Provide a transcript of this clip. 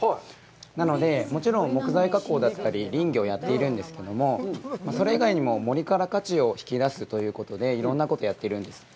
なので、もちろん木材加工であったり林業をやっているんですけれども、それ以外にも森から価値を引き出すということでいろんなことをやっているんです。